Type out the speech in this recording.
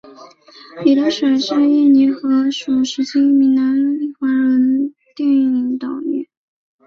李德水是印尼荷属时期的闽南裔华人电影导演。